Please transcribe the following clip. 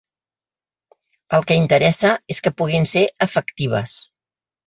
El que interessa és que puguin ser efectives.